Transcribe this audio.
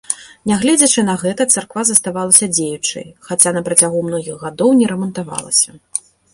Нягледзячы на гэта, царква заставалася дзеючай, хаця на працягу многіх гадоў не рамантавалася.